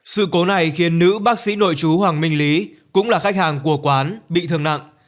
sự cố này khiến nữ bác sĩ nội chú hoàng minh lý cũng là khách hàng của quán bị thương nặng